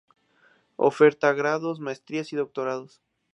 Oferta grados, maestrías y doctorados